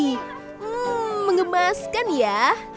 hmm mengemaskan ya